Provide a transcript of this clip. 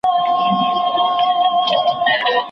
اوس هغه خلک هم لوڅي پښې روان دي